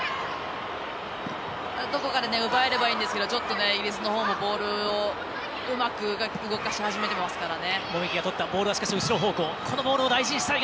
どこかで奪えればいいんですけどちょっとイギリスのほうもボールうまく動かし始めていますからね。